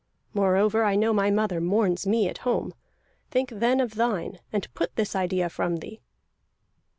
Moreover, I know my mother mourns me at home. Think then of thine, and put this idea from thee!"